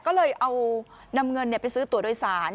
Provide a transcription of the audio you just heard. ก็เลยเอานำเงินไปซื้อตัวโดยสาร